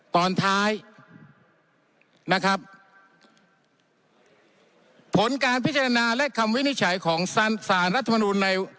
ตอนท้ายนะครับผลการพิจารณาและคำวินิจฉัยของสารสารรัฐมนุนใน